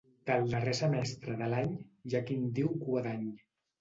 Del darrer semestre de l'any hi ha qui en diu Cua d'Any.